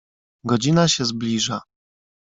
"Godzina się zbliża."